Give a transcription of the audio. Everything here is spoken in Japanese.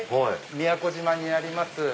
宮古島にあります